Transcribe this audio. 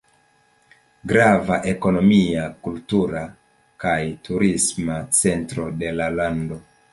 Grava ekonomia, kultura kaj turisma centro de la lando.